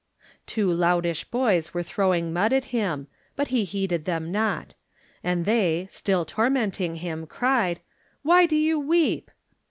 Two loutish boys were throwing mud at him, but he heeded them not; and they, still tormenting him, cried, "Why do you weep?"